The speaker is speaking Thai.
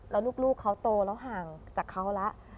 แล้วลูกเขาโตแล้วห่างจากเขาแล้ว